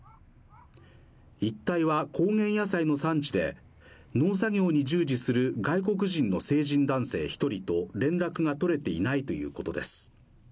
一帯は高原野菜の産地で、農作業に従事する外国人の成人男性１人と連絡が取れていないということです。